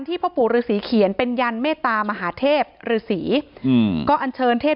พ่อปู่ฤษีเขียนเป็นยันเมตามหาเทพฤษีอืมก็อันเชิญเทพ